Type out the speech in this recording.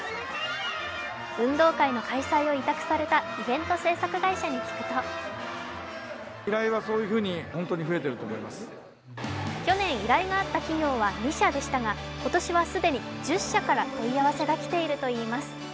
運動会の開催を委託されたイベント制作会社によると去年、依頼があった企業は２社でしたが今年は既に１０社から問い合わせが来ているといいます。